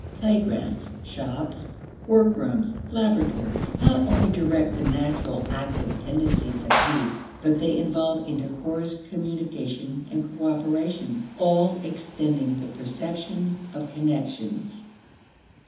Playgrounds, shops, workrooms, laboratories not only direct the natural active tendencies of youth, but they involve intercourse, communication, and cooperation, all extending the perception of connections.